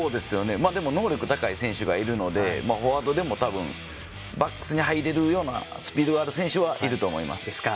能力高い選手がいるのでフォワードでもたぶんバックスに入れるようなスピードある選手はいると思います。